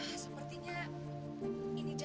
ini jaket miliknya orang yang nama fatima